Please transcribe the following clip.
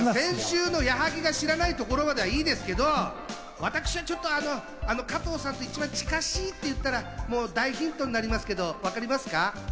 先週の矢作を知らないところまではいいですけど、私はちょっと加藤さんの一番近しいって言ったら、大ヒントになりますけど、分かりますか？